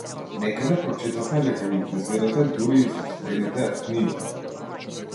Некаде прочитавме дека ги презирате дури и сопстените книги.